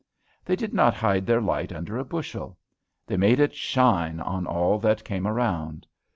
They did not hide their light under a bushel. They made it shine on all that came around.